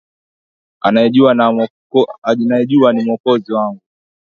Anayejua ni Mwokozi wangu.